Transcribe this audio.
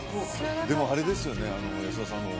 でもあれですよね安田さん